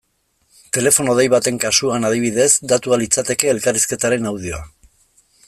Telefono dei baten kasuan, adibidez, datua litzateke elkarrizketaren audioa.